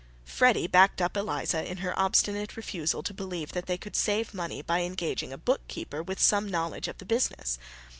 Freddy backed up Eliza in her obstinate refusal to believe that they could save money by engaging a bookkeeper with some knowledge of the business.